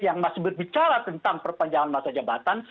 yang masih berbicara tentang perpanjangan masa jabatan